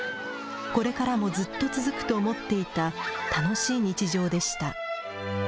これからもずっと続くと思っていた、楽しい日常でした。